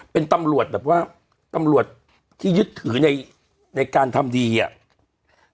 เป็นตำรวจแบบว่าตำรวจที่ยึดถือในในการทำดีอ่ะ